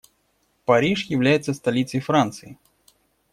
Париж является столицей Франции.